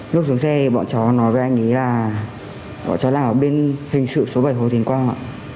lúc xuống xe bọn cháu nói với anh ấy là bọn cháu đang ở bên hình sự số bảy hồ thịnh quang